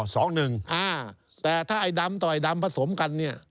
อ๋อสองหนึ่งแต่ถ้าไอ้ดำต่อไอ้ดำผสมกันเนี่ย